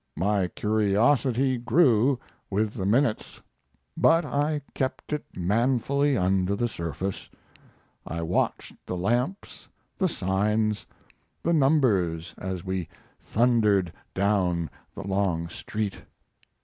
My curiosity grew with the minutes, but I kept it manfully under the surface. I watched the lamps, the signs, the numbers as we thundered down the long street.